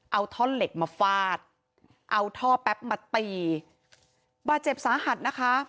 เอาท่อนเหล็กมาฟาดเอาท่อแป๊บมาตีบาดเจ็บสาหัสนะคะ